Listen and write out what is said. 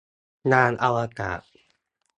ยานอวกาศ